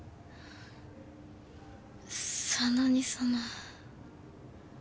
佐野にその。